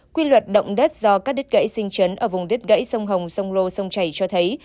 quy luật động đất do các đất gãy sinh chấn ở vùng đất gãy sông hồng sông lô sông chảy cho thấy